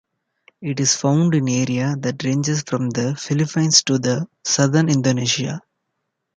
It is found in area that ranges from the Philippines to the southern Indonesia.